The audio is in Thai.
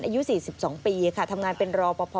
อายุ๔๒ปีค่ะทำงานเป็นรอปภ